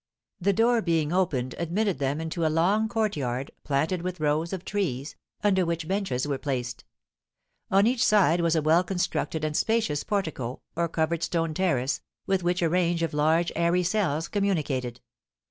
The door being opened admitted them into a long courtyard, planted with rows of trees, under which benches were placed. On each side was a well constructed and spacious portico, or covered stone terrace, with which a range of large, airy cells communicated.